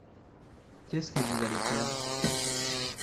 Qu'est-ce que vous allez faire ?